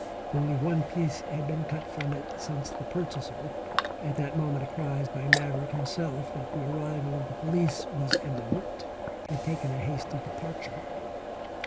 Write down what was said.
Only one piece had been cut from it since the purchaser, at that moment apprised by Maverick himself that the arrival of the police was imminent, had taken a hasty departure.